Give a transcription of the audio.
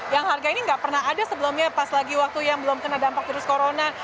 yang harga ini nggak pernah ada sebelumnya pas lagi waktu yang belum kena dampak virus corona